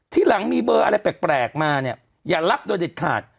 ที่หลังมีเบอร์อะไรแปลกมาเนี่ยอย่ารับโดยเด็ดขาด